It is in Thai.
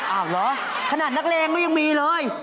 อ้าวเหรอขนาดนักแรงก็ยังมีเลย